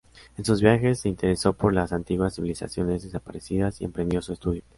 En sus viajes, se interesó por las antiguas civilizaciones desaparecidas y emprendió su estudio.